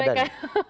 yang tidak ada